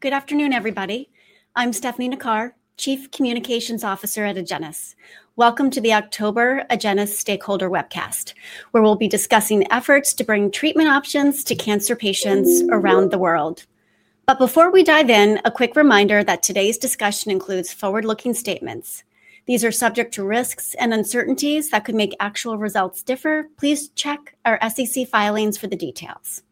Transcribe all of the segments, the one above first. Good afternoon, everybody. I'm Stefanie Nacar, Chief Communications Officer at Agenus. Welcome to the October Agenus Stakeholder Webcast, where we'll be discussing efforts to bring treatment options to cancer patients around the world. Before we dive in, a quick reminder that today's discussion includes forward-looking statements. These are subject to risks and uncertainties that could make actual results differ. Please check our SEC filings for the details.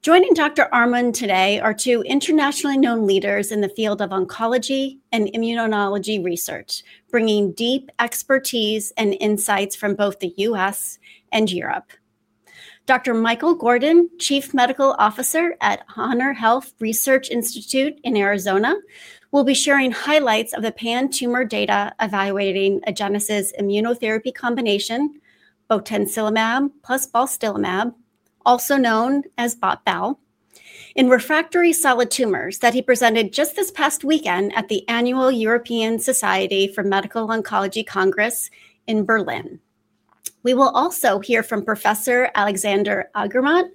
Joining Dr. Armen today are two internationally known leaders in the field of oncology and immunology research, bringing deep expertise and insights from both the U.S. and Europe. Dr. Michael Gordon, Chief Medical Officer at HonorHealth Research Institute in Arizona, will be sharing highlights of the pan-tumor data evaluating Agenus' immunotherapy combination, botensilimab plus balstilimab, also known as BOT/BAL, in refractory solid tumors that he presented just this past weekend at the annual European Society for Medical Oncology Congress in Berlin. We will also hear from Professor Alexander Eggermont,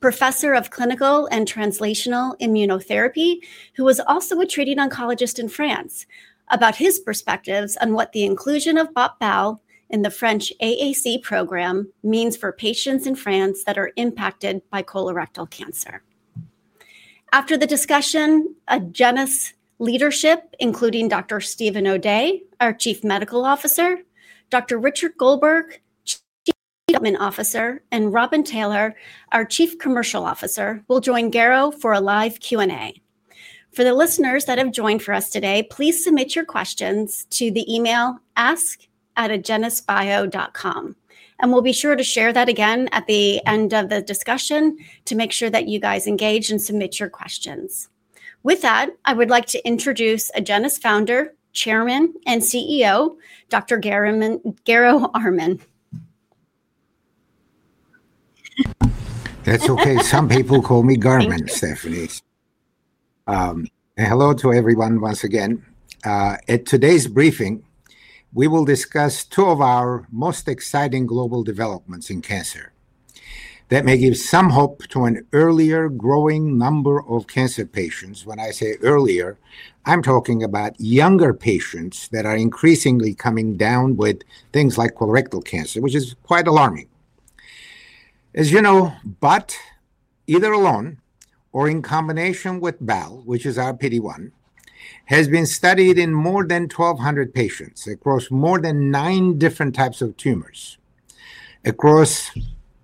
Professor of Clinical and Translational Immunotherapy, who is also a treating oncologist in France, about his perspectives on what the inclusion of BOT/BAL in the French AAC program means for patients in France that are impacted by colorectal cancer. After the discussion, Agenus leadership, including Dr. Steven O'Day, our Chief Medical Officer, Dr. Richard Goldberg, Chief Treatment Officer, and Robin Taylor, our Chief Commercial Officer, will join Garo for a live Q&A. For the listeners that have joined us today, please submit your questions to the email ask@agenusbio.com. We will be sure to share that again at the end of the discussion to make sure that you engage and submit your questions. With that, I would like to introduce Agenus Founder, Chairman, and CEO, Dr. Garo Armen. That's OK. Some people call me Garo Armen, Stefanie. Hello to everyone once again. At today's briefing, we will discuss two of our most exciting global developments in cancer that may give some hope to an earlier growing number of cancer patients. When I say earlier, I'm talking about younger patients that are increasingly coming down with things like colorectal cancer, which is quite alarming. As you know, bot either alone or in combination with bal, which is our PD-1, has been studied in more than 1,200 patients across more than nine different types of tumors, across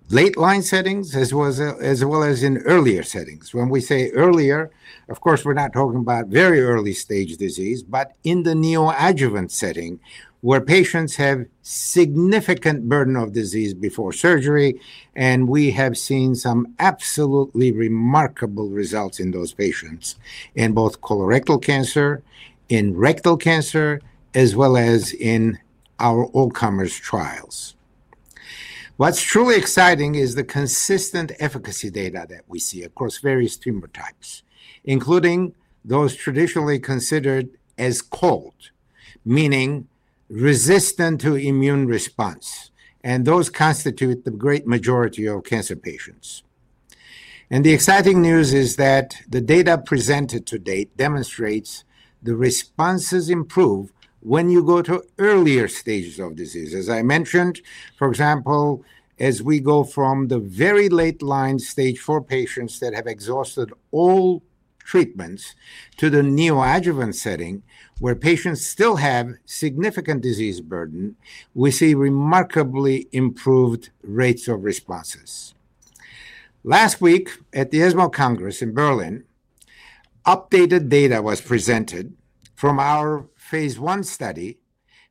late line settings as well as in earlier settings. When we say earlier, of course, we're not talking about very early stage disease, but in the neoadjuvant setting, where patients have a significant burden of disease before surgery. We have seen some absolutely remarkable results in those patients in both colorectal cancer, in rectal cancer, as well as in our all-comers trials. What's truly exciting is the consistent efficacy data that we see across various tumor types, including those traditionally considered as cold, meaning resistant to immune response. Those constitute the great majority of cancer patients. The exciting news is that the data presented to date demonstrates the responses improve when you go to earlier stages of disease. As I mentioned, for example, as we go from the very late line stage IV patients that have exhausted all treatments to the neoadjuvant setting, where patients still have significant disease burden, we see remarkably improved rates of responses. Last week at the ESMO Congress in Berlin, updated data was presented from our phase one study,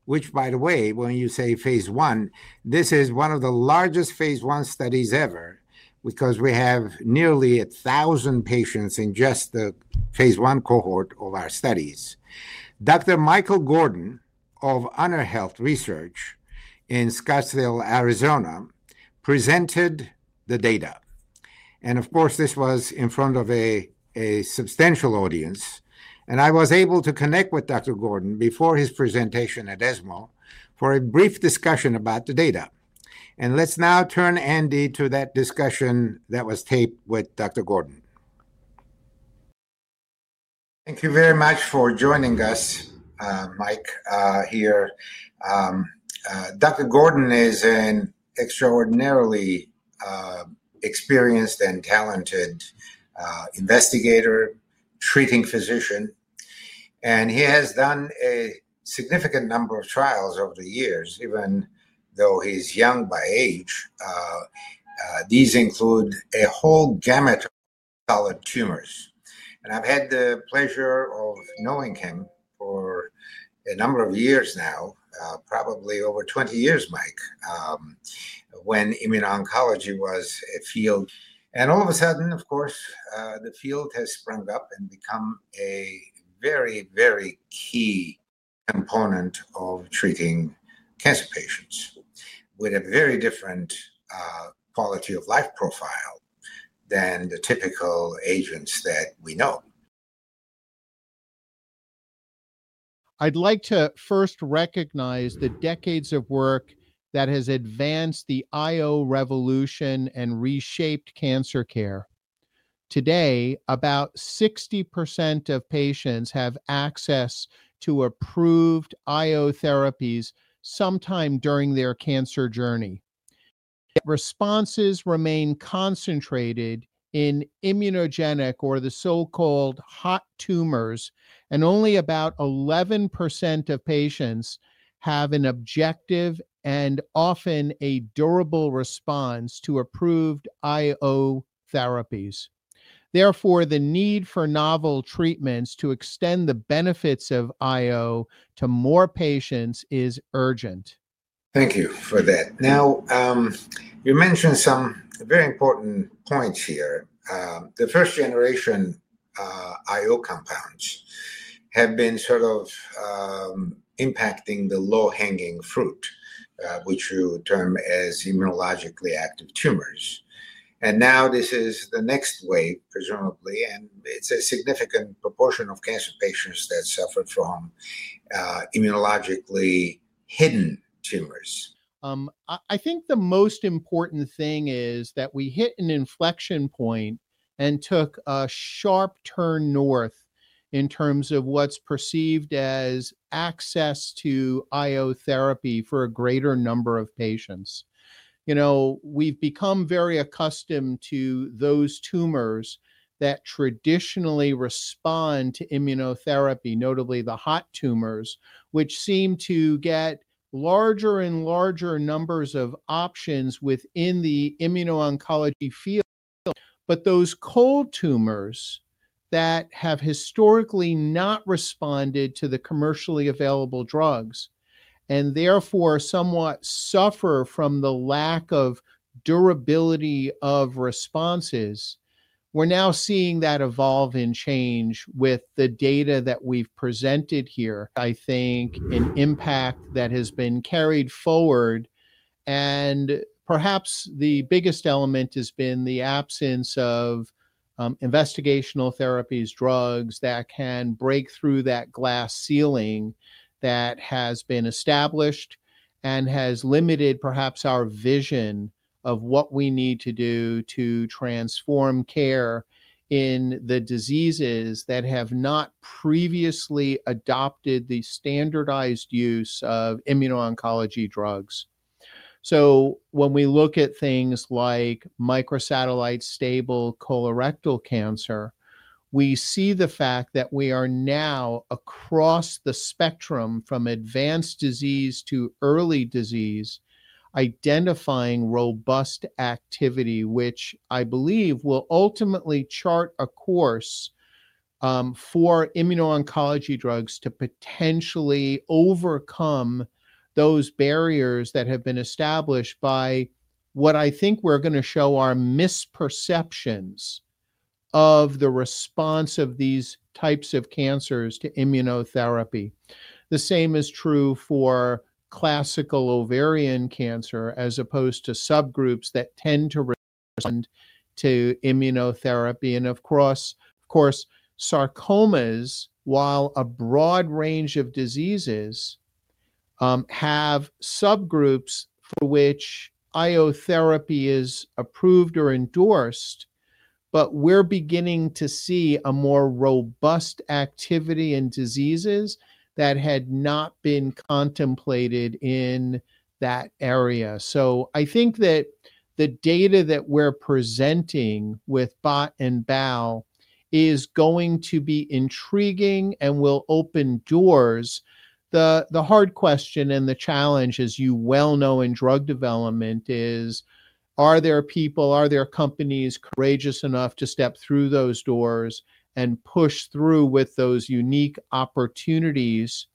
which, by the way, when you say phase one, this is one of the largest phase 1 studies ever, because we have nearly 1,000 patients in just the phase one cohort of our studies. Dr. Michael Gordon of HonorHealth Research Institute in Scottsdale, Arizona, presented the data. This was in front of a substantial audience. I was able to connect with Dr. Gordon before his presentation at ESMO for a brief discussion about the data. Let's now turn to that discussion that was taped with Dr. Gordon. Thank you very much for joining us, Mike, here. Dr. Gordon is an extraordinarily experienced and talented investigator, treating physician. He has done a significant number of trials over the years, even though he's young by age. These include a whole gamut of solid tumors. I've had the pleasure of knowing him for a number of years now, probably over 20 years, Mike, when immuno-oncology was a field. All of a sudden, the field has sprung up and become a very, very key component of treating cancer patients with a very different quality of life profile than the typical agents that we know. I'd like to first recognize the decades of work that has advanced the IO revolution and reshaped cancer care. Today, about 60% of patients have access to approved IO therapies sometime during their cancer journey. Responses remain concentrated in immunogenic, or the so-called hot tumors. Only about 11% of patients have an objective and often a durable response to approved IO therapies. Therefore, the need for novel treatments to extend the benefits of IO to more patients is urgent. Thank you for that. You mentioned some very important points here. The first-generation IO compounds have been sort of impacting the low-hanging fruit, which you term as immunologically active tumors. This is the next wave, presumably. It's a significant proportion of cancer patients that suffer from immunologically hidden tumors. I think the most important thing is that we hit an inflection point and took a sharp turn north in terms of what's perceived as access to IO therapy for a greater number of patients. We've become very accustomed to those tumors that traditionally respond to immunotherapy, notably the hot tumors, which seem to get larger and larger numbers of options within the immuno-oncology field. Those cold tumors that have historically not responded to the commercially available drugs and therefore somewhat suffer from the lack of durability of responses, we're now seeing that evolve and change with the data that we've presented here. I think an impact that has been carried forward. Perhaps the biggest element has been the absence of investigational therapies, drugs that can break through that glass ceiling that has been established and has limited perhaps our vision of what we need to do to transform care in the diseases that have not previously adopted the standardized use of immuno-oncology drugs. When we look at things like microsatellite stable colorectal cancer, we see the fact that we are now across the spectrum from advanced disease to early disease, identifying robust activity, which I believe will ultimately chart a course for immuno-oncology drugs to potentially overcome those barriers that have been established by what I think we're going to show are misperceptions of the response of these types of cancers to immunotherapy. The same is true for classical ovarian cancer, as opposed to subgroups that tend to respond to immunotherapy. Of course, sarcomas, while a broad range of diseases, have subgroups for which IO therapy is approved or endorsed. We're beginning to see a more robust activity in diseases that had not been contemplated in that area. I think that the data that we're presenting with bot and bal is going to be intriguing and will open doors. The hard question and the challenge, as you well know in drug development, is are there people, are there companies courageous enough to step through those doors and push through with those unique opportunities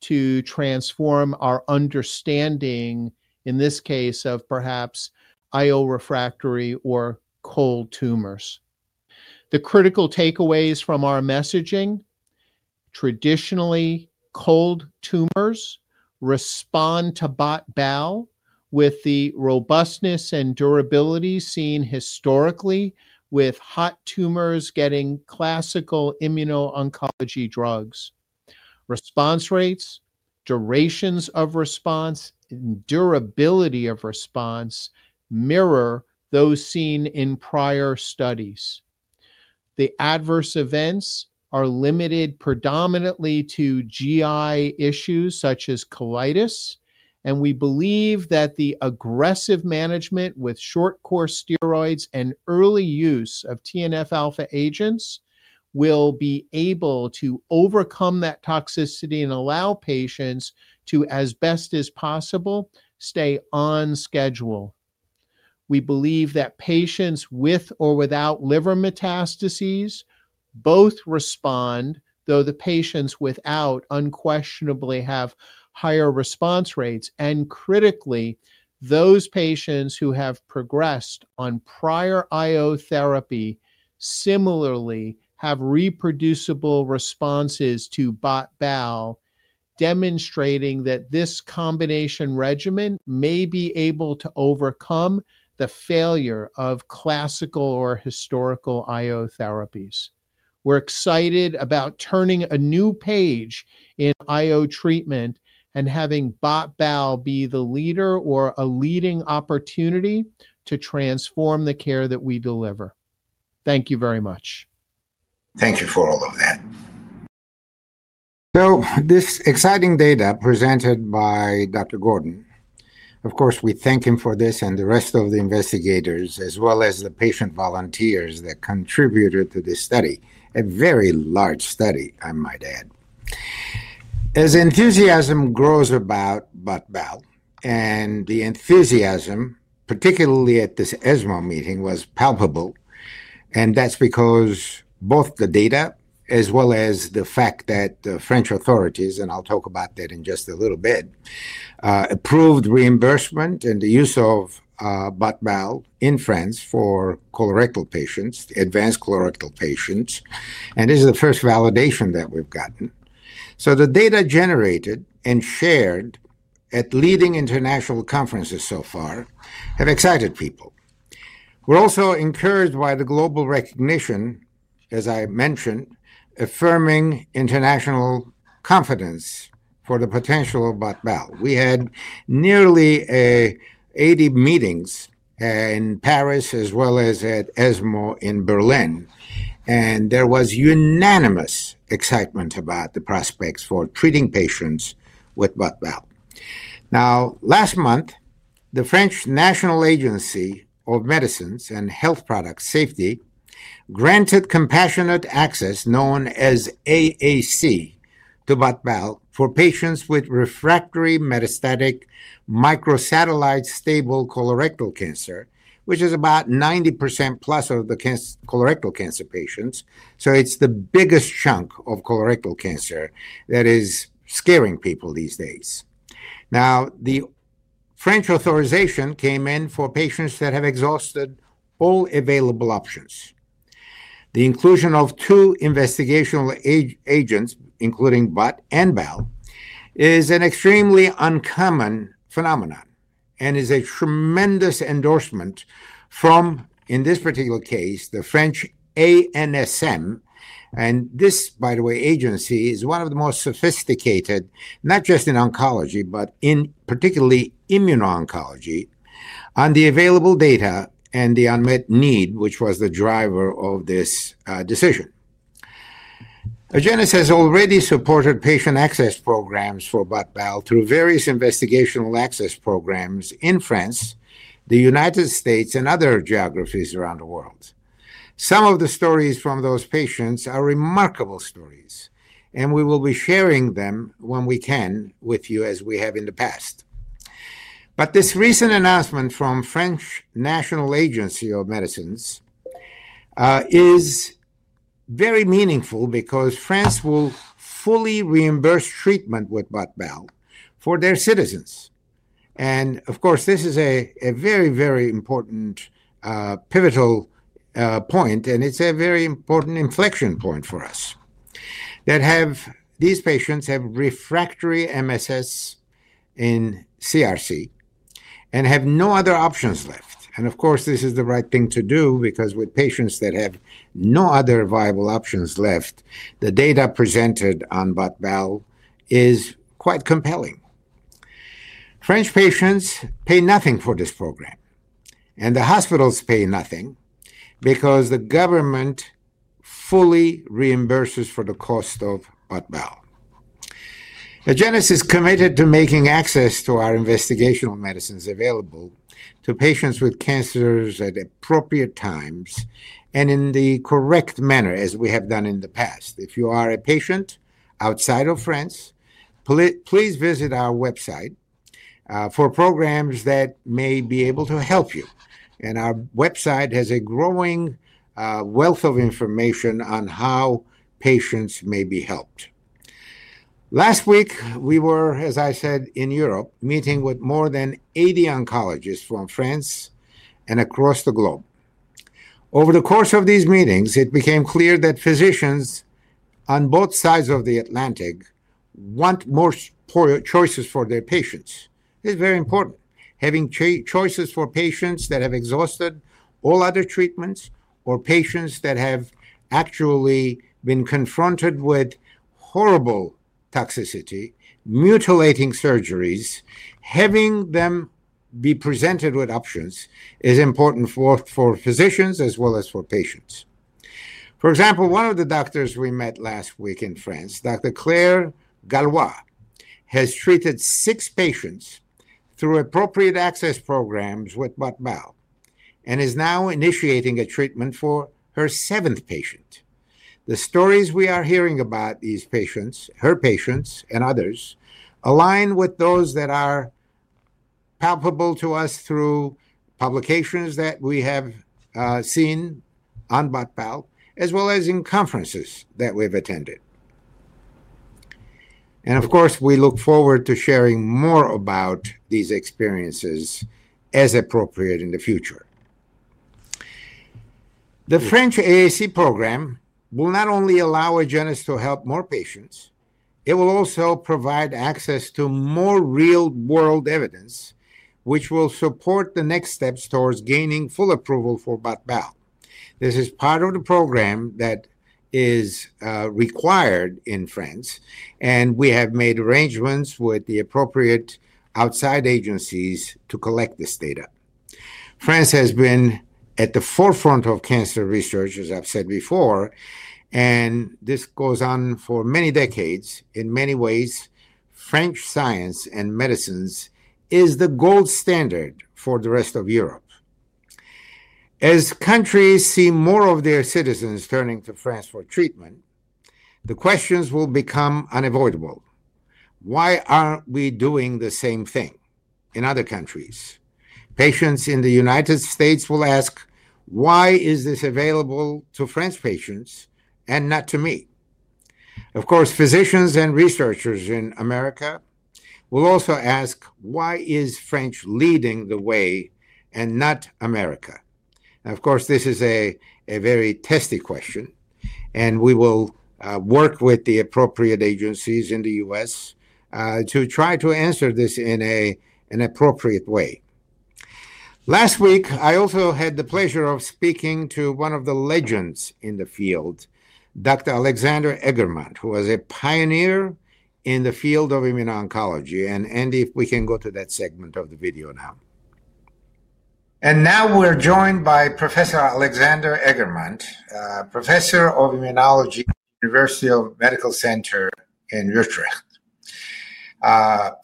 to transform our understanding, in this case, of perhaps IO refractory or cold tumors? The critical takeaways from our messaging, traditionally, cold tumors respond to bot bal with the robustness and durability seen historically with hot tumors getting classical immuno-oncology drugs. Response rates, durations of response, and durability of response mirror those seen in prior studies. The adverse events are limited predominantly to GI issues, such as colitis. We believe that the aggressive management with short-course steroids and early use of TNF-alpha agents will be able to overcome that toxicity and allow patients to, as best as possible, stay on schedule. We believe that patients with or without liver metastases both respond, though the patients without unquestionably have higher response rates. Critically, those patients who have progressed on prior IO therapy similarly have reproducible responses to BOT/BAL, demonstrating that this combination regimen may be able to overcome the failure of classical or historical IO therapies. We're excited about turning a new page in IO treatment and having BOT/BAL be the leader or a leading opportunity to transform the care that we deliver. Thank you very much. Thank you for all of that. This exciting data presented by Dr. Gordon, of course, we thank him for this and the rest of the investigators, as well as the patient volunteers that contributed to this study, a very large study, I might add. As enthusiasm grows about BOT/BAL, the enthusiasm, particularly at this ESMO meeting, was palpable. That's because both the data, as well as the fact that the French authorities, and I'll talk about that in just a little bit, approved reimbursement and the use of BOT/BAL in France for colorectal patients, advanced colorectal patients. This is the first validation that we've gotten. The data generated and shared at leading international conferences so far have excited people. We're also encouraged by the global recognition, as I mentioned, affirming international confidence for the potential of BOT/BAL. We had nearly 80 meetings in Paris, as well as at ESMO in Berlin. There was unanimous excitement about the prospects for treating patients with BOT/BAL. Last month, the French National Agency of Medicines and Health Product Safety granted compassionate access, known as AAC, to BOT/BAL for patients with refractory metastatic microsatellite stable colorectal cancer, which is about 90% plus of the colorectal cancer patients. It's the biggest chunk of colorectal cancer that is scaring people these days. The French authorization came in for patients that have exhausted all available options. The inclusion of two investigational agents, including bot and bal, is an extremely uncommon phenomenon and is a tremendous endorsement from, in this particular case, the French ANSM. This agency is one of the most sophisticated, not just in oncology, but particularly immuno-oncology, on the available data and the unmet need, which was the driver of this decision. Agenus has already supported patient access programs for BOT/BAL through various investigational access programs in France, the United States, and other geographies around the world. Some of the stories from those patients are remarkable stories. We will be sharing them, when we can, with you, as we have in the past. This recent announcement from the French National Agency of Medicines is very meaningful because France will fully reimburse treatment with BOT/BAL for their citizens. This is a very, very important pivotal point. It is a very important inflection point for us that these patients have refractory MSS in colorectal cancer and have no other options left. This is the right thing to do because with patients that have no other viable options left, the data presented on BOT/BAL is quite compelling. French patients pay nothing for this program, and the hospitals pay nothing because the government fully reimburses for the cost of BOT/BAL. Agenus is committed to making access to our investigational medicines available to patients with cancers at appropriate times and in the correct manner, as we have done in the past. If you are a patient outside of France, please visit our website for programs that may be able to help you. Our website has a growing wealth of information on how patients may be helped. Last week, we were, as I said, in Europe, meeting with more than 80 oncologists from France and across the globe. Over the course of these meetings, it became clear that physicians on both sides of the Atlantic want more choices for their patients. It is very important. Having choices for patients that have exhausted all other treatments or patients that have actually been confronted with horrible toxicity, mutilating surgeries, having them be presented with options is important for physicians as well as for patients. For example, one of the doctors we met last week in France, Dr. Claire Gallois, has treated six patients through appropriate access programs with BOT/BAL and is now initiating a treatment for her seventh patient. The stories we are hearing about these patients, her patients, and others, align with those that are palpable to us through publications that we have seen on BOT/BAL, as well as in conferences that we've attended. We look forward to sharing more about these experiences as appropriate in the future. The French AAC program will not only allow Agenus to help more patients, it will also provide access to more real-world evidence, which will support the next steps towards gaining full approval for BOT/BAL. This is part of the program that is required in France, and we have made arrangements with the appropriate outside agencies to collect this data. France has been at the forefront of cancer research, as I've said before, and this goes on for many decades. In many ways, French science and medicine is the gold standard for the rest of Europe. As countries see more of their citizens turning to France for treatment, the questions will become unavoidable. Why aren't we doing the same thing in other countries? Patients in the U.S. will ask, why is this available to French patients and not to me? Of course, physicians and researchers in America will also ask, why is France leading the way and not America? This is a very testy question. We will work with the appropriate agencies in the U.S. to try to answer this in an appropriate way. Last week, I also had the pleasure of speaking to one of the legends in the field, Professor Alexander Eggermont, who was a pioneer in the field of immuno-oncology. Andy, if we can go to that segment of the video now. Now we're joined by Professor Alexander Eggermont, Professor of Clinical and Translational Immunotherapy in France.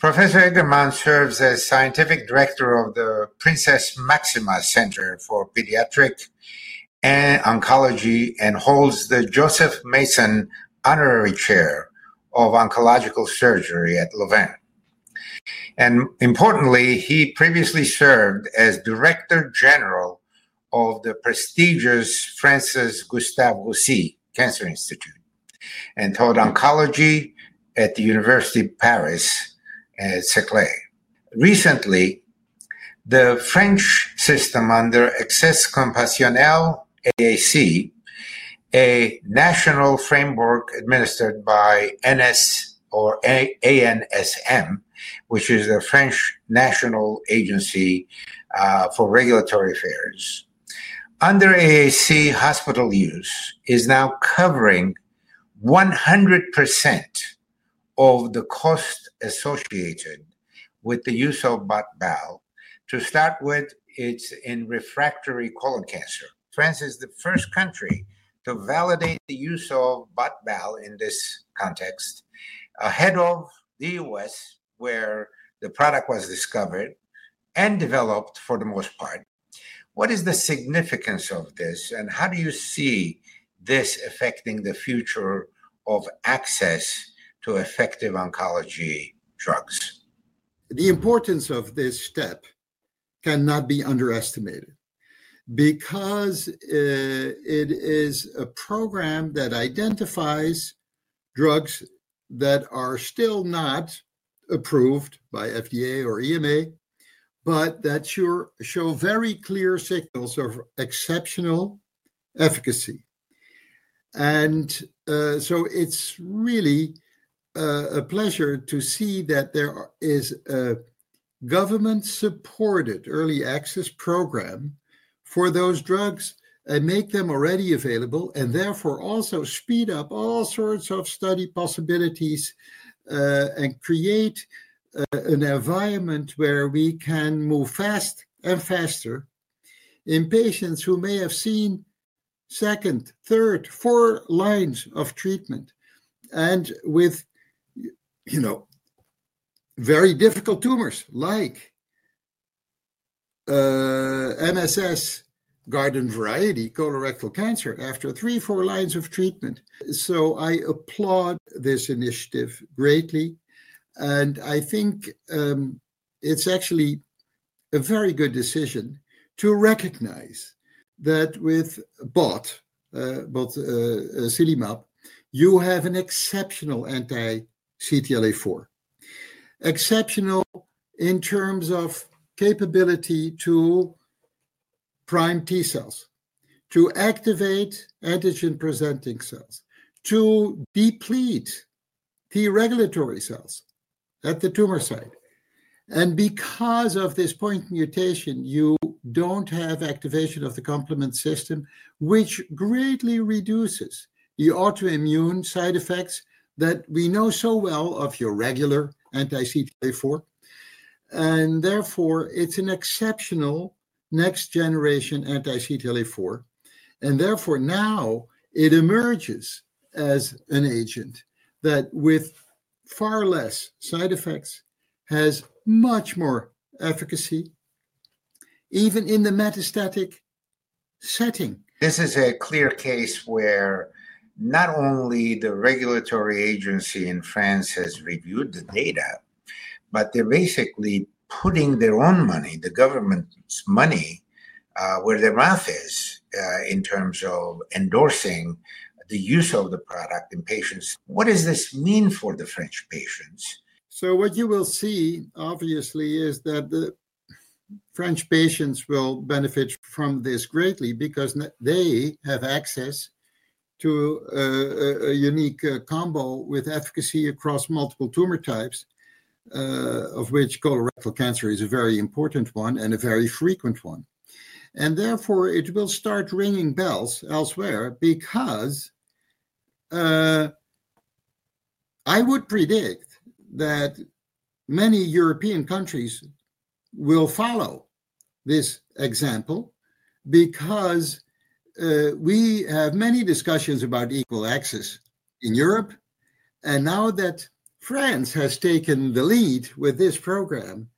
Professor Eggermont serves as Scientific Director of the Princess Máxima Center for Pediatric Oncology and holds the Joseph Mason Honorary Chair of Oncological Surgery at Lausanne. Importantly, he previously served as Director General of the prestigious Gustave Roussy Cancer Institute and taught oncology at the University of Paris-Saclay. Recently, the French system under Access Compassionnel, AAC, a national framework administered by ANSM, which is the French National Agency for Regulatory Affairs, under AAC hospital use is now covering 100% of the cost associated with the use of BOT/BAL. To start with, it's in refractory colorectal cancer. France is the first country to validate the use of BOT/BAL in this context, ahead of the U.S., where the product was discovered and developed for the most part. What is the significance of this? How do you see this affecting the future of access to effective oncology drugs? The importance of this step cannot be underestimated because it is a program that identifies drugs that are still not approved by FDA or EMA, but that show very clear signals of exceptional efficacy. It's really a pleasure to see that there is a government-supported early access program for those drugs and make them already available, therefore also speed up all sorts of study possibilities and create an environment where we can move fast and faster in patients who may have seen second, third, fourth lines of treatment and with very difficult tumors, like MSS garden variety colorectal cancer, after three, four lines of treatment. I applaud this initiative greatly. I think it's actually a very good decision to recognize that with botensilimab, you have an exceptional anti-CTLA4, exceptional in terms of capability to prime T cells, to activate antigen-presenting cells, to deplete T regulatory cells at the tumor site. Because of this point mutation, you don't have activation of the complement system, which greatly reduces the autoimmune side effects that we know so well of your regular anti-CTLA4. Therefore, it's an exceptional next-generation anti-CTLA4. Now it emerges as an agent that, with far less side effects, has much more efficacy, even in the metastatic setting. This is a clear case where not only the regulatory agency in France has reviewed the data, but they're basically putting their own money, the government's money, where their mouth is in terms of endorsing the use of the product in patients. What does this mean for the French patients? What you will see, obviously, is that the French patients will benefit from this greatly because they have access to a unique combo with efficacy across multiple tumor types, of which colorectal cancer is a very important one and a very frequent one. Therefore, it will start ringing bells elsewhere because I would predict that many European countries will follow this example because we have many discussions about equal access in Europe. Now that France has taken the lead with this program,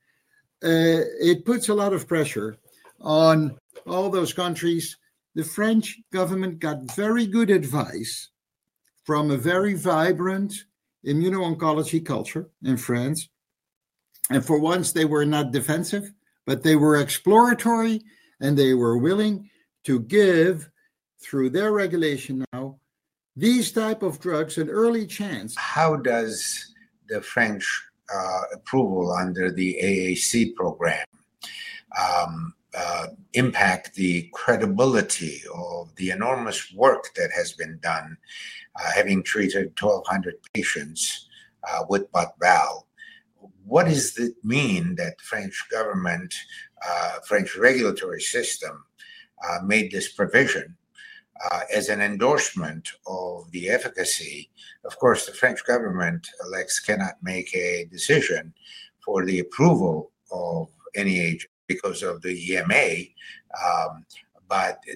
it puts a lot of pressure on all those countries. The French government got very good advice from a very vibrant immuno-oncology culture in France. For once, they were not defensive, but they were exploratory, and they were willing to give, through their regulation now, these types of drugs an early chance. How does the French approval under the AAC program impact the credibility of the enormous work that has been done, having treated 1,200 patients with BOT/BAL? What does it mean that the French government, the French regulatory system, made this provision as an endorsement of the efficacy? Of course, the French government, Alex, cannot make a decision for the approval of any agent because of the EMA.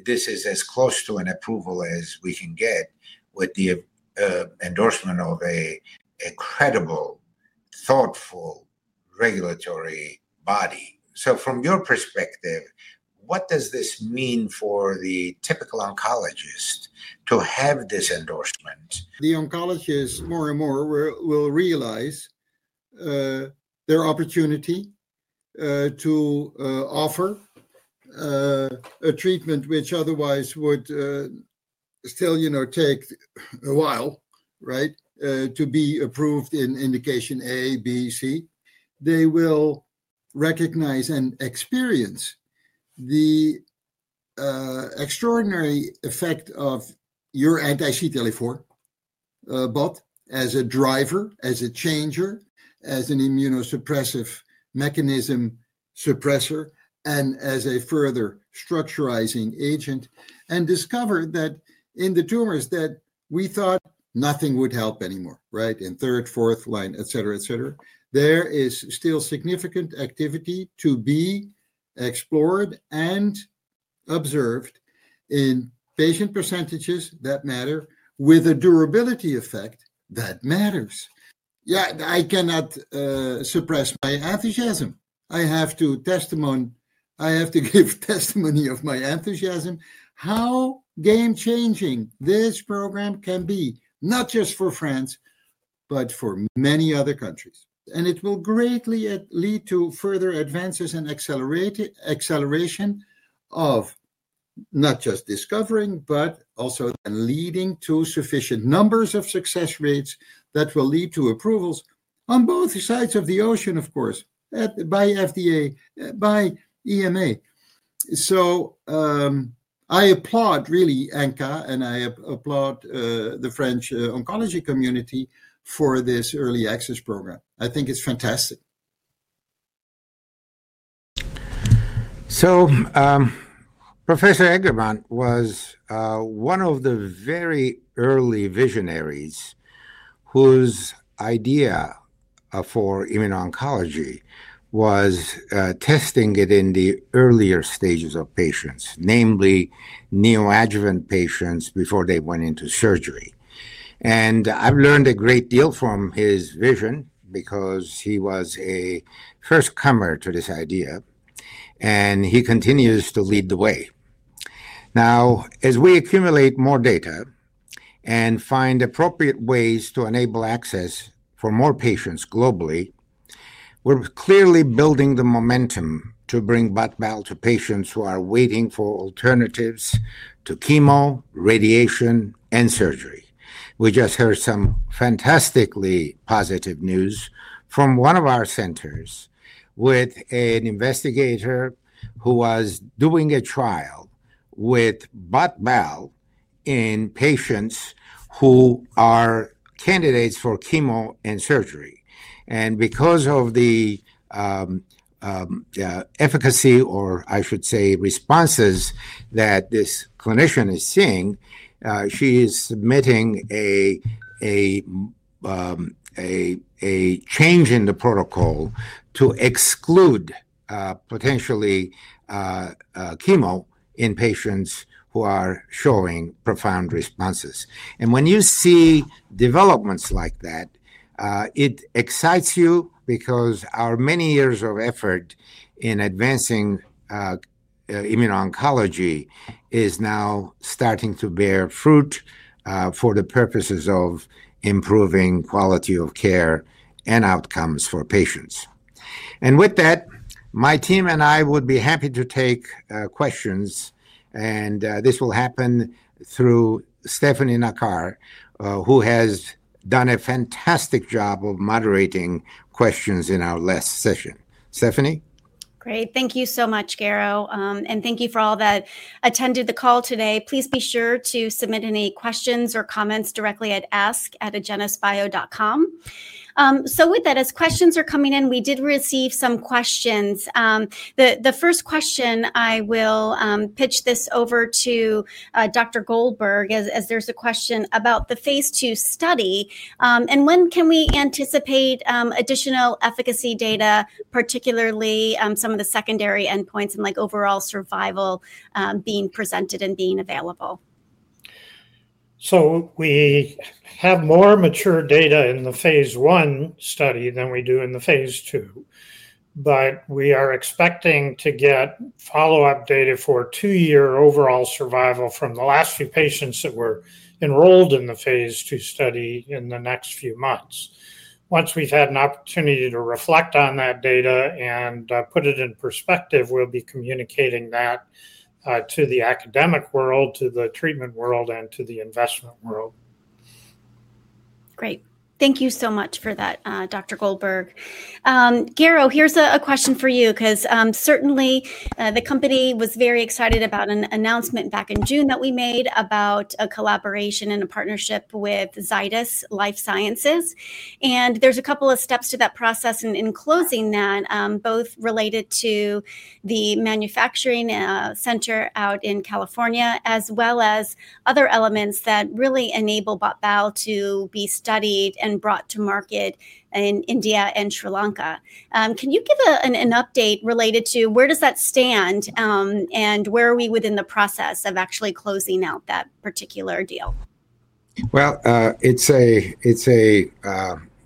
This is as close to an approval as we can get with the endorsement of a credible, thoughtful regulatory body. From your perspective, what does this mean for the typical oncologist to have this endorsement? The oncologists, more and more, will realize their opportunity to offer a treatment which otherwise would still take a while to be approved in indication A, B, C. They will recognize and experience the extraordinary effect of your anti-CTLA4 bot as a driver, as a changer, as an immunosuppressive mechanism suppressor, and as a further structurizing agent, and discover that in the tumors that we thought nothing would help anymore, in third, fourth line, et cetera, et cetera, there is still significant activity to be explored and observed in patient percentages that matter, with a durability effect that matters. I cannot suppress my enthusiasm. I have to give testimony of my enthusiasm, how game-changing this program can be, not just for France, but for many other countries. It will greatly lead to further advances and acceleration of not just discovering, but also leading to sufficient numbers of success rates that will lead to approvals on both sides of the ocean, of course, by FDA, by EMA. I applaud, really, Agenus, and I applaud the French oncology community for this early access program. I think it's fantastic. Professor Alexander Eggermont was one of the very early visionaries whose idea for immuno-oncology was testing it in the earlier stages of patients, namely neoadjuvant patients before they went into surgery. I've learned a great deal from his vision because he was a first-comer to this idea. He continues to lead the way. Now, as we accumulate more data and find appropriate ways to enable access for more patients globally, we're clearly building the momentum to bring BOT/BAL to patients who are waiting for alternatives to chemo, radiation, and surgery. We just heard some fantastically positive news from one of our centers with an investigator who was doing a trial with BOT/BAL in patients who are candidates for chemo and surgery. Because of the efficacy, or I should say, responses that this clinician is seeing, she is submitting a change in the protocol to exclude potentially chemo in patients who are showing profound responses. When you see developments like that, it excites you because our many years of effort in advancing immuno-oncology is now starting to bear fruit for the purposes of improving quality of care and outcomes for patients. With that, my team and I would be happy to take questions. This will happen through Stefanie Nacar, who has done a fantastic job of moderating questions in our last session. Stefanie? Great. Thank you so much, Garo. Thank you for all that attended the call today. Please be sure to submit any questions or comments directly at ask@agenusbio.com. As questions are coming in, we did receive some questions. The first question, I will pitch this over to Dr. Goldberg, as there's a question about the phase two study. When can we anticipate additional efficacy data, particularly some of the secondary endpoints and overall survival being presented and being available? We have more mature data in the phase one study than we do in the phase two. We are expecting to get follow-up data for two-year overall survival from the last few patients that were enrolled in the phase two study in the next few months. Once we've had an opportunity to reflect on that data and put it in perspective, we'll be communicating that to the academic world, to the treatment world, and to the investment world. Great. Thank you so much for that, Dr. Goldberg. Garo, here's a question for you, because certainly the company was very excited about an announcement back in June that we made about a collaboration and a partnership with Zydus Lifesciences. There's a couple of steps to that process in closing that, both related to the manufacturing center out in California, as well as other elements that really enable BOT/BAL to be studied and brought to market in India and Sri Lanka. Can you give an update related to where does that stand and where are we within the process of actually closing out that particular deal? It is a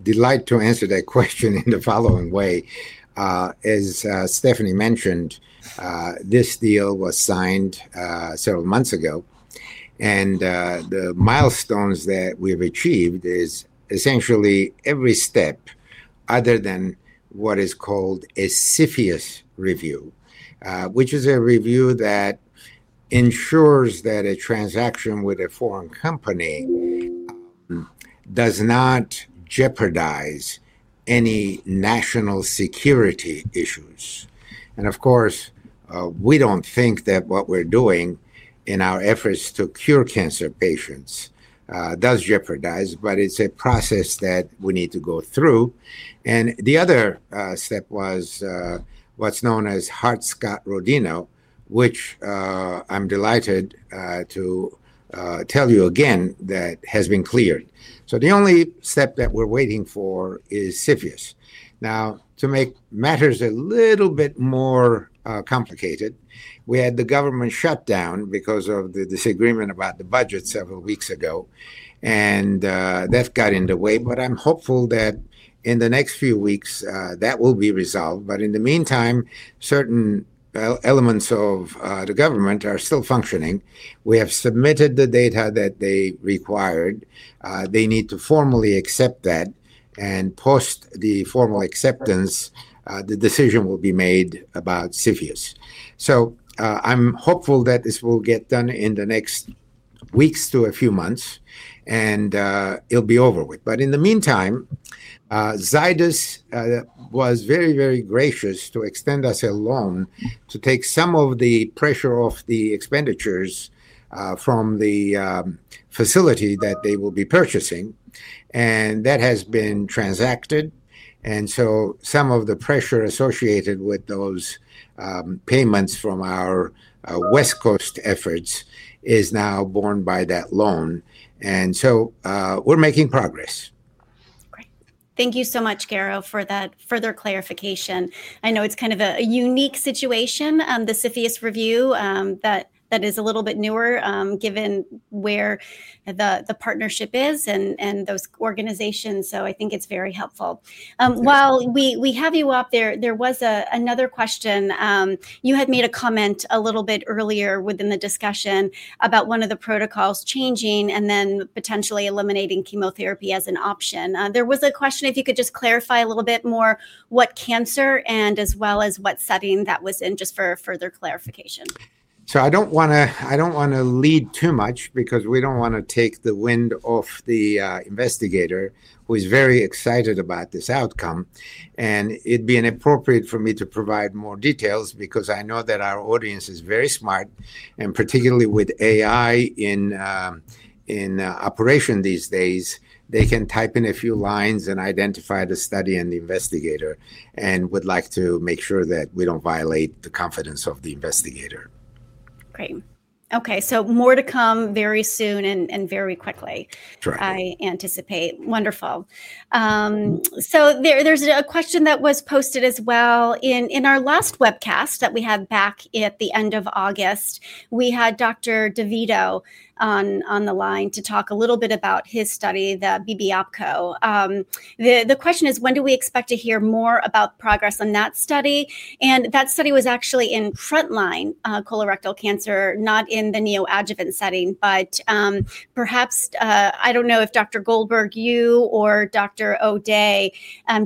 delight to answer that question in the following way. As Stefanie mentioned, this deal was signed several months ago. The milestones that we've achieved is essentially every step other than what is called a CFIUS review, which is a review that ensures that a transaction with a foreign company does not jeopardize any national security issues. Of course, we don't think that what we're doing in our efforts to cure cancer patients does jeopardize. It is a process that we need to go through. The other step was what's known as Hart-Scott-Rodino, which I'm delighted to tell you again that has been cleared. The only step that we're waiting for is CFIUS. To make matters a little bit more complicated, we had the government shut down because of the disagreement about the budget several weeks ago. That got in the way. I'm hopeful that in the next few weeks, that will be resolved. In the meantime, certain elements of the government are still functioning. We have submitted the data that they required. They need to formally accept that. Post the formal acceptance, the decision will be made about CFIUS. I'm hopeful that this will get done in the next weeks to a few months. It will be over with. In the meantime, Zydus Lifesciences was very, very gracious to extend us a loan to take some of the pressure off the expenditures from the facility that they will be purchasing. That has been transacted. Some of the pressure associated with those payments from our West Coast efforts is now borne by that loan. We are making progress. Great. Thank you so much, Garo, for that further clarification. I know it's kind of a unique situation, the CFIUS review, that is a little bit newer, given where the partnership is and those organizations. I think it's very helpful. While we have you up, there was another question. You had made a comment a little bit earlier within the discussion about one of the protocols changing and then potentially eliminating chemotherapy as an option. There was a question if you could just clarify a little bit more what cancer and as well as what setting that was in, just for further clarification. I don't want to lead too much because we don't want to take the wind off the investigator, who is very excited about this outcome. It'd be inappropriate for me to provide more details because I know that our audience is very smart. Particularly with AI in operation these days, they can type in a few lines and identify the study and the investigator and would like to make sure that we don't violate the confidence of the investigator. Great. Okay. More to come very soon and very quickly, I anticipate. Correct. Wonderful. There's a question that was posted as well in our last webcast that we had back at the end of August. We had Dr. DeVito on the line to talk a little bit about his study, the BB-APCO. The question is, when do we expect to hear more about progress on that study? That study was actually in frontline colorectal cancer, not in the neoadjuvant setting. Perhaps, I don't know if Dr. Goldberg, you, or Dr. O'Day,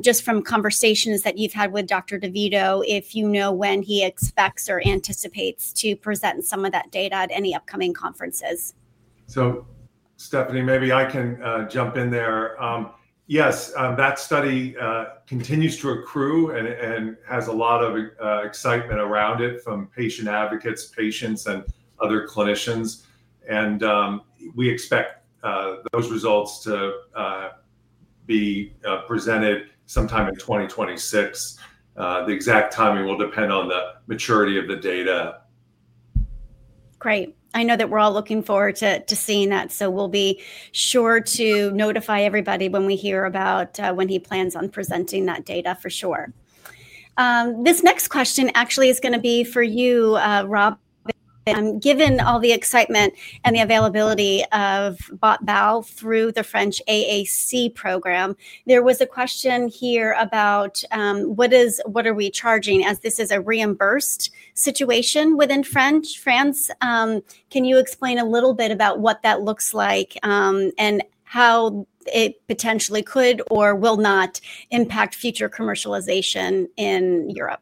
just from conversations that you've had with Dr. DeVito, if you know when he expects or anticipates to present some of that data at any upcoming conferences. Stephanie, maybe I can jump in there. Yes, that study continues to accrue and has a lot of excitement around it from patient advocates, patients, and other clinicians. We expect those results to be presented sometime in 2026. The exact timing will depend on the maturity of the data. Great. I know that we're all looking forward to seeing that. We'll be sure to notify everybody when we hear about when he plans on presenting that data, for sure. This next question actually is going to be for you, Robin. Given all the excitement and the availability of BOT/BAL through the French AAC program, there was a question here about what are we charging, as this is a reimbursed situation within France. Can you explain a little bit about what that looks like and how it potentially could or will not impact future commercialization in Europe?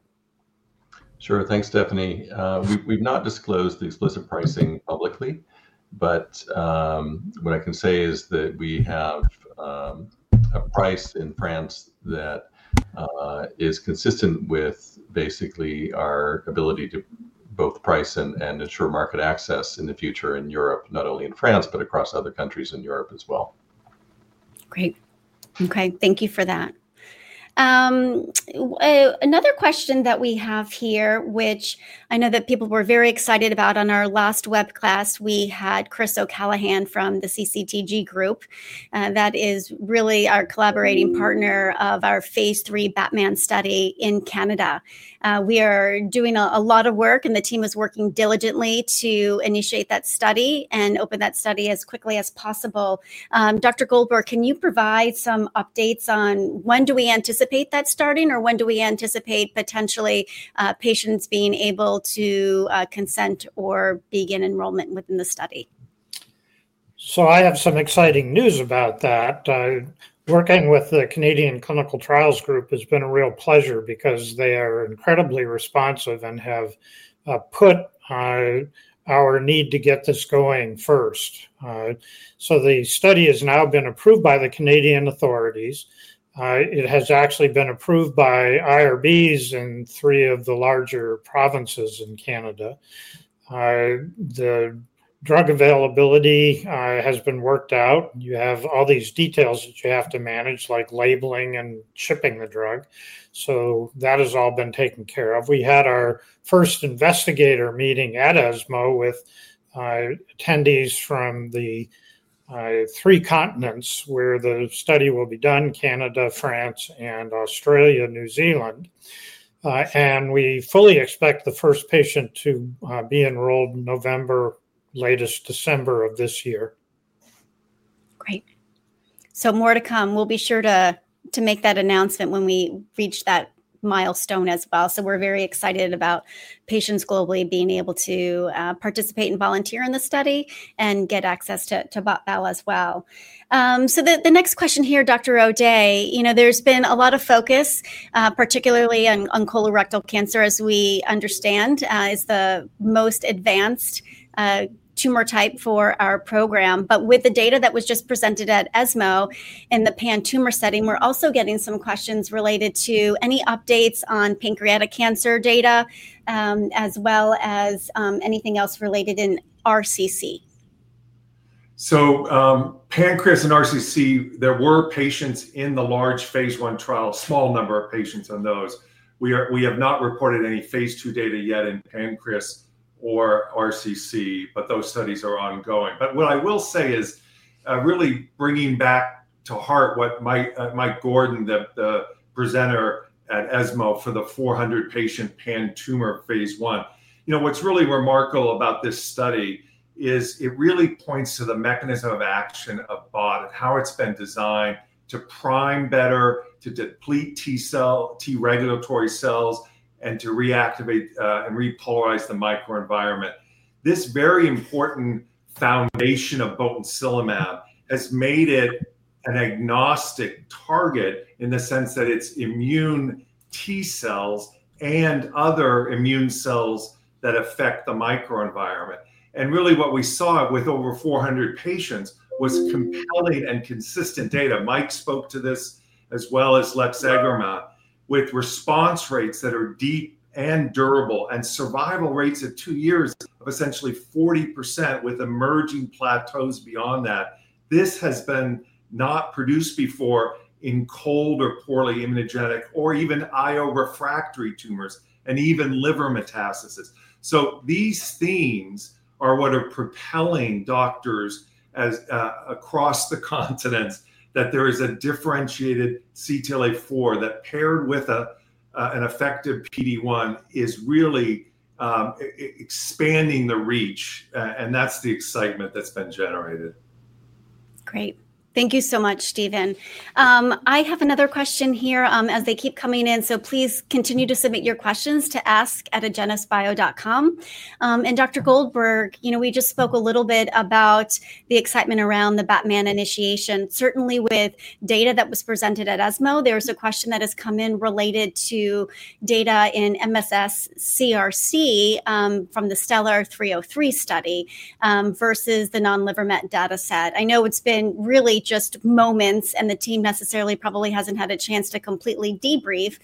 Sure. Thanks, Stefanie. We've not disclosed the explicit pricing publicly. What I can say is that we have a price in France that is consistent with basically our ability to both price and ensure market access in the future in Europe, not only in France, but across other countries in Europe as well. Great. OK. Thank you for that. Another question that we have here, which I know that people were very excited about on our last webcast, we had Chris O'Callaghan from the CCTG Group. That is really our collaborating partner of our phase three Batman study in Canada. We are doing a lot of work, and the team is working diligently to initiate that study and open that study as quickly as possible. Dr. Goldberg, can you provide some updates on when do we anticipate that starting or when do we anticipate potentially patients being able to consent or begin enrollment within the study? I have some exciting news about that. Working with the Canadian Cancer Trials Group has been a real pleasure because they are incredibly responsive and have put our need to get this going first. The study has now been approved by the Canadian authorities. It has actually been approved by IRBs in three of the larger provinces in Canada. The drug availability has been worked out. You have all these details that you have to manage, like labeling and shipping the drug. That has all been taken care of. We had our first investigator meeting at ESMO with attendees from the three continents where the study will be done: Canada, France, Australia, and New Zealand. We fully expect the first patient to be enrolled in November, latest December of this year. Great. More to come. We'll be sure to make that announcement when we reach that milestone as well. We're very excited about patients globally being able to participate and volunteer in the study and get access to BOT/BAL as well. The next question here, Dr. O'Day, there's been a lot of focus, particularly on colorectal cancer, as we understand, is the most advanced tumor type for our program. With the data that was just presented at ESMO in the pan-tumor setting, we're also getting some questions related to any updates on pancreatic cancer data, as well as anything else related in RCC. So pancreas and RCC, there were patients in the large phase one study, a small number of patients on those. We have not reported any phase two data yet in pancreas or renal cell carcinoma. Those studies are ongoing. What I will say is really bringing back to heart what Dr. Michael Gordon, the presenter at the European Society for Medical Oncology, for the 400-patient pan-tumor phase one, what's really remarkable about this study is it really points to the mechanism of action of bot and how it's been designed to prime better, to deplete T cells, T regulatory cells, and to reactivate and repolarize the microenvironment. This very important foundation of botensilimab has made it an agnostic target in the sense that it's immune T cells and other immune cells that affect the microenvironment. What we saw with over 400 patients was compelling and consistent data. Mike spoke to this, as well as Alex Eggermont, with response rates that are deep and durable and survival rates at two years of essentially 40%, with emerging plateaus beyond that. This has not been produced before in cold or poorly immunogenic or even immuno-oncology refractory tumors and even liver metastases. These themes are what are propelling doctors across the continents that there is a differentiated CTLA-4 that, paired with an effective PD-1, is really expanding the reach. That's the excitement that's been generated. Great. Thank you so much, Stephen. I have another question here as they keep coming in. Please continue to submit your questions to ask@agenusbio.com. Dr. Goldberg, we just spoke a little bit about the excitement around the Batman initiation. Certainly, with data that was presented at ESMO, there is a question that has come in related to data in MSS colorectal cancer from the STELLAR 303 study versus the non-liver met dataset. I know it's been really just moments, and the team necessarily probably hasn't had a chance to completely debrief.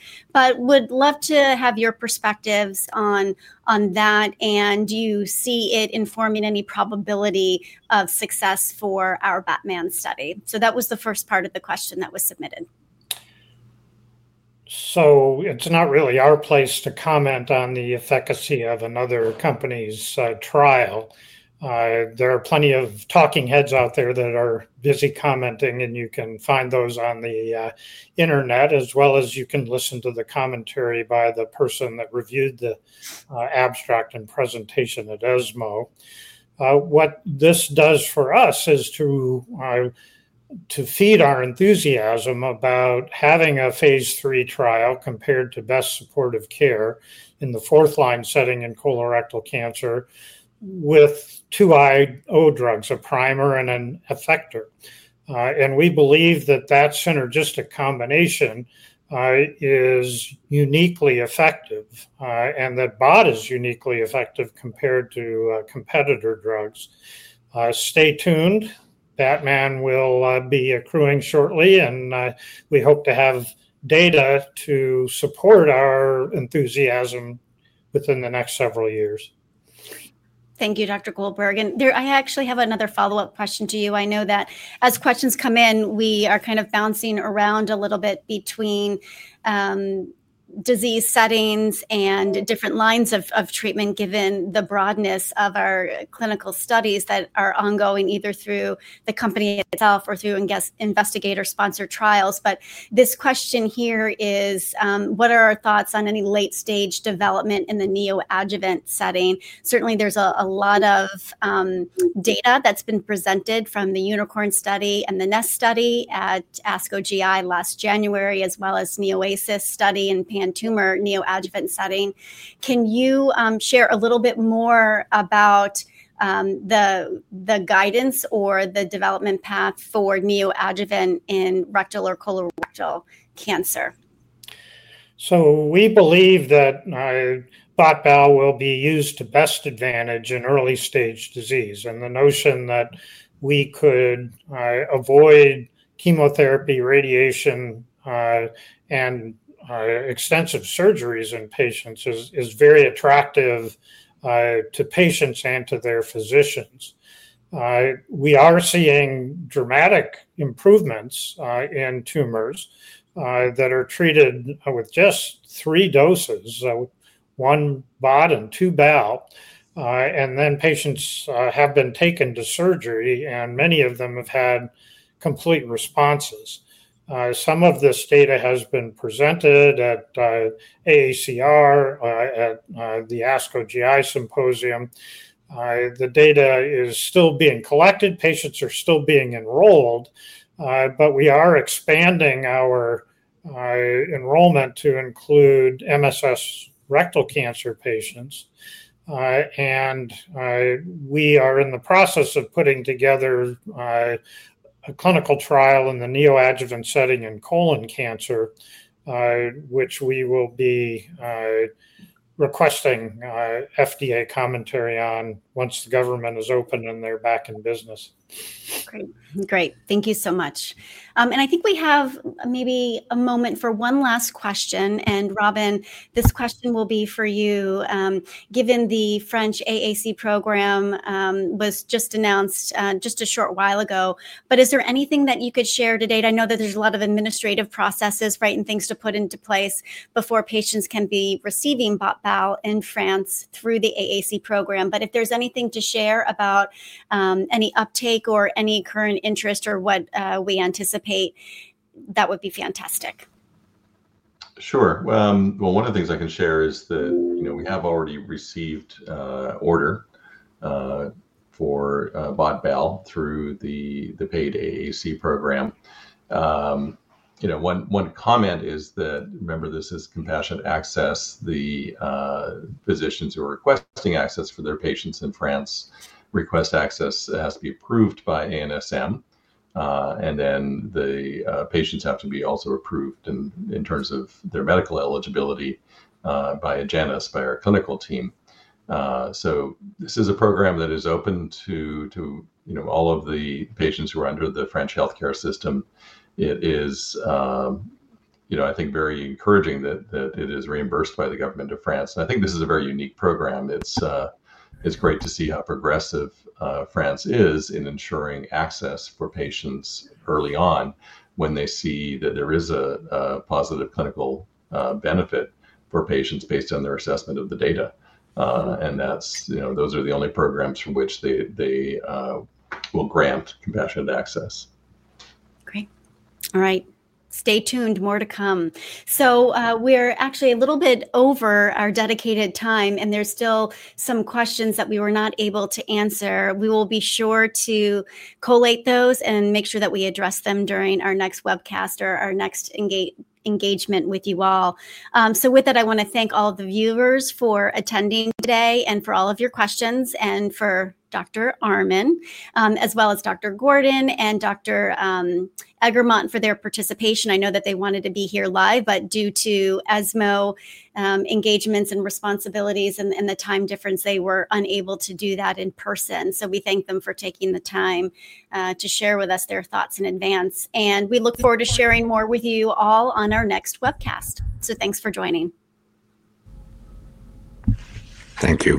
Would love to have your perspectives on that and do you see it informing any probability of success for our Batman study? That was the first part of the question that was submitted. It is not really our place to comment on the efficacy of another company's trial. There are plenty of talking heads out there that are busy commenting. You can find those on the internet, as well as you can listen to the commentary by the person that reviewed the abstract and presentation at ESMO. What this does for us is to feed our enthusiasm about having a phase three trial compared to best supportive care in the fourth-line setting in colorectal cancer with two IO drugs, a primer and an effector. We believe that that synergistic combination is uniquely effective and that bot is uniquely effective compared to competitor drugs. Stay tuned. Batman will be accruing shortly, and we hope to have data to support our enthusiasm within the next several years. Thank you, Dr. Goldberg. I actually have another follow-up question to you. I know that as questions come in, we are kind of bouncing around a little bit between disease settings and different lines of treatment, given the broadness of our clinical studies that are ongoing either through the company itself or through investigator-sponsored trials. This question here is, what are our thoughts on any late-stage development in the neoadjuvant setting? Certainly, there's a lot of data that's been presented from the UNICORN study and the NEST study at ASCO GI last January, as well as NEOASIS study in pan-tumor neoadjuvant setting. Can you share a little bit more about the guidance or the development path for neoadjuvant in rectal or colorectal cancer? We believe that BOT/BAL will be used to best advantage in early-stage disease. The notion that we could avoid chemotherapy, radiation, and extensive surgeries in patients is very attractive to patients and to their physicians. We are seeing dramatic improvements in tumors that are treated with just three doses, one botensilimab and two balstilimab. Patients have been taken to surgery, and many of them have had complete responses. Some of this data has been presented at AACR and at the ASCO GI symposium. The data is still being collected, and patients are still being enrolled. We are expanding our enrollment to include MSS rectal cancer patients. We are in the process of putting together a clinical trial in the neoadjuvant setting in colon cancer, which we will be requesting FDA commentary on once the government is open and they're back in business. Great. Thank you so much. I think we have maybe a moment for one last question. Robin, this question will be for you. Given the French AAC program was just announced a short while ago, is there anything that you could share today? I know that there's a lot of administrative processes and things to put into place before patients can be receiving BOT/BAL in France through the AAC program. If there's anything to share about any uptake or any current interest or what we anticipate, that would be fantastic. Sure. One of the things I can share is that we have already received an order for BOT/BAL through the paid AAC program. One comment is that remember, this is compassionate access. The physicians who are requesting access for their patients in France request access. It has to be approved by ANSM, and the patients have to be also approved in terms of their medical eligibility by Agenus, by our clinical team. This is a program that is open to all of the patients who are under the French health care system. It is, I think, very encouraging that it is reimbursed by the government of France. I think this is a very unique program. It's great to see how progressive France is in ensuring access for patients early on when they see that there is a positive clinical benefit for patients based on their assessment of the data. Those are the only programs from which they will grant compassionate access. Great. All right. Stay tuned. More to come. We're actually a little bit over our dedicated time, and there are still some questions that we were not able to answer. We will be sure to collate those and make sure that we address them during our next webcast or our next engagement with you all. With that, I want to thank all of the viewers for attending today and for all of your questions and for Dr. Garo H. Armen, as well as Dr. Michael Gordon and Dr. Richard Goldberg for their participation. I know that they wanted to be here live, but due to ESMO engagements and responsibilities and the time difference, they were unable to do that in person. We thank them for taking the time to share with us their thoughts in advance, and we look forward to sharing more with you all on our next webcast. Thanks for joining. Thank you.